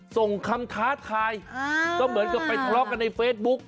ส่งคำท้าทายก็เหมือนกับไปทะเลาะกันในเฟซบุ๊ก